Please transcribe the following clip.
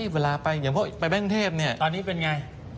เวลาไปอย่างเมื่อไปแบงก์เทพตอนนี้เป็นอย่างไร